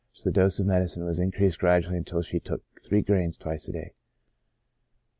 The dose of the medicine was increased gradually until she took three grains twice a day.